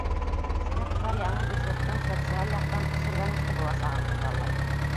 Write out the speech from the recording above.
— Эксперттар яңы бюджеттың социаль яҡтан көсөргәнешле буласағын күҙаллай.